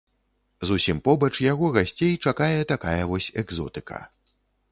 Зусім побач яго гасцей чакае такая вось экзотыка.